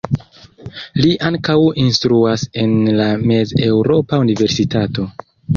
Li ankaŭ instruas en la Mez-Eŭropa Universitato.